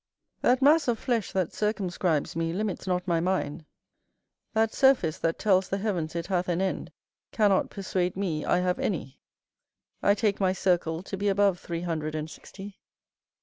That mass of flesh that circumscribes me limits not my mind. That surface that tells the heavens it hath an end cannot persuade me I have any. I take my circle to be above three hundred and sixty.